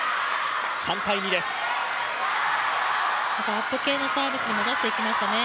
アップ系のサービスにも出してきましたね。